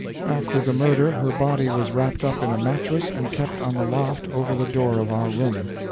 After the murder her body was wrapped up in a mattress and kept on the loft over the door of our room.